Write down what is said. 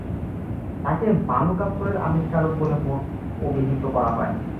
তাকে বালুকাস্তরের আবিষ্কারক বলে অভিহিত করা হয়।